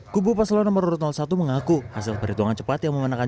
kubu paslon satu mengaku hasil perhitungan cepat yang memenangkan